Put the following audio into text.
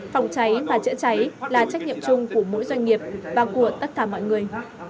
phòng cháy và chữa cháy là trách nhiệm chung của mỗi doanh nghiệp và của tất cả mọi người